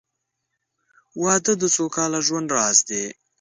• واده د سوکاله ژوند راز دی.